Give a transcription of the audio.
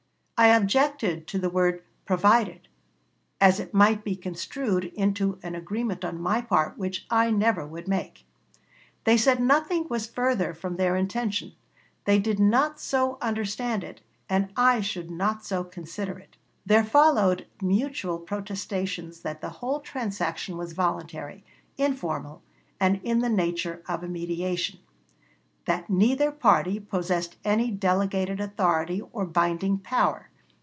"I objected to the word 'provided,' as it might be construed into an agreement on my part which I never would make. They said nothing was further from their intention; they did not so understand it, and I should not so consider it." There followed mutual protestations that the whole transaction was voluntary, informal, and in the nature of a mediation; that neither party possessed any delegated authority or binding power.